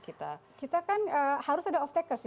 karena kita kan harus ada off takers ya